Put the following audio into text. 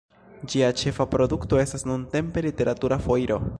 Ĝia ĉefa produkto estas nuntempe "Literatura Foiro".